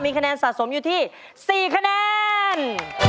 คะแนนสะสมอยู่ที่๔คะแนน